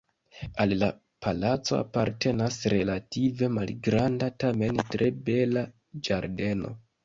Al la palaco apartenas relative malgranda, tamen tre bela ĝardeno.